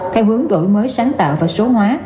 theo hướng đổi mới sáng tạo và số hóa